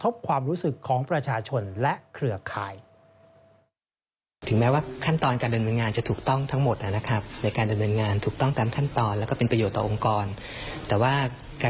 ผมก็ต้องขออภัยในการดำเนินการ